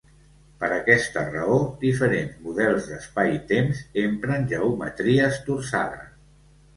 Per aquesta raó, diferents models d'espaitemps empren geometries torçades.